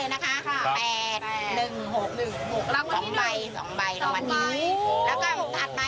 มีค่ะรางวัลที่หนึ่งค่ะ